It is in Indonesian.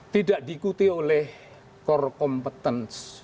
tidak diikuti oleh core competence